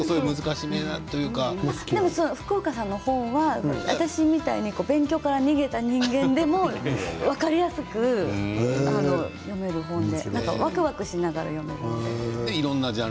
福岡さんの本は私みたいに勉強から逃げた人間でも分かりやすく読める本でわくわくしながら読めるんです。